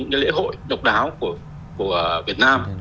những lễ hội độc đáo của việt nam